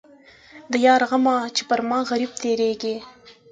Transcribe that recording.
د یار غمه چې پر ما غريب تېرېږي.